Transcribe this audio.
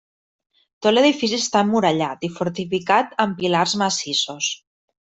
Tot l'edifici està emmurallat i fortificat amb pilars massissos.